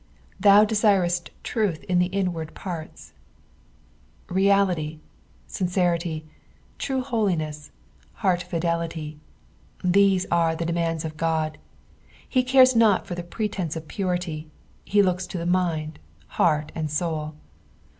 "TTiou dftirat truth in the iattard pnrti." Reality, sincerity, true holiness, heart fldelitj, these are the demands of God. He cares not for the pretence of purity, he looks to the mind, heart, and soul.